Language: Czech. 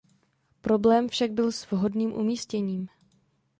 Problém však byl s vhodným umístěním.